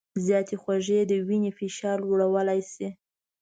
زیاتې خوږې د وینې فشار لوړولی شي.